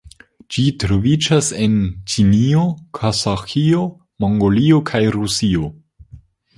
Ĝi troviĝas en Ĉinio, Kazaĥio, Mongolio kaj Rusio.